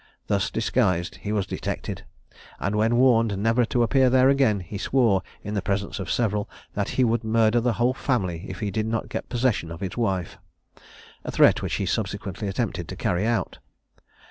Thus disguised he was detected; and when warned never to appear there again, he swore, in the presence of several, that he would murder the whole family if he did not get possession of his wife a threat which he subsequently attempted to carry out.